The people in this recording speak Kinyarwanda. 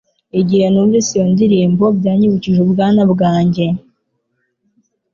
Igihe numvise iyo ndirimbo, byanyibukije ubwana bwanjye